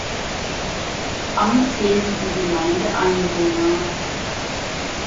Am zählte die Gemeinde Einwohner.